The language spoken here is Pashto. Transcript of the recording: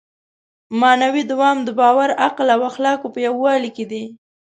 معنوي دوام د باور، عقل او اخلاقو په یووالي کې دی.